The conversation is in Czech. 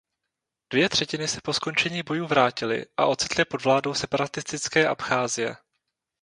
Dvě třetiny se po skončení bojů vrátily a ocitly pod vládou separatistické Abcházie.